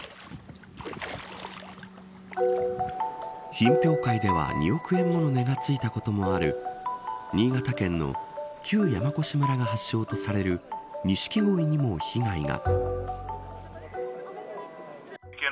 品評会では２億円もの値がついたこともある新潟県の旧山古志村が発祥とされるニシキゴイにも被害が。